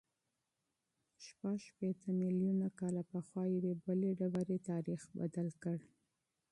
شپږ شپېته میلیونه کاله پخوا یوې بلې ډبرې تاریخ بدل کړ.